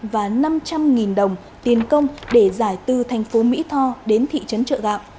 và năm trăm linh đồng tiền công để giải từ thành phố mỹ tho đến thị trấn trợ gạo